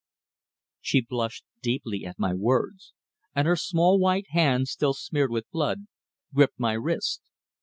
She blushed deeply at my words, and her small white hand still smeared with blood, gripped my wrist.